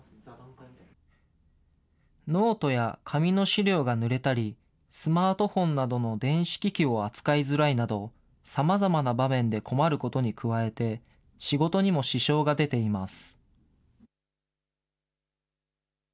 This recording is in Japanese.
ノートや紙の資料がぬれたり、スマートフォンなどの電子機器を扱いづらいなど、さまざまな場面で困ることに加えて、仕事にも支障が出ています。